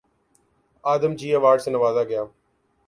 آدم جی award سے نوازا گیا